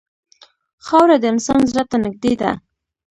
خاوره د انسان زړه ته نږدې ده.